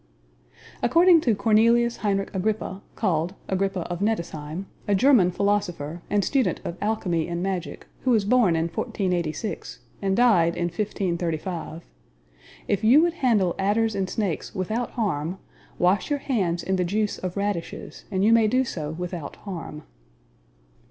According to Cornelius Heinrich Agrippa (called Agrippa of Nettesheim), a German philosopher, and student of alchemy and magic, who was born in 1486, and died in 1535, "if you would handle adders and snakes without harm, wash your hands in the juice of radishes, and you may do so without harm."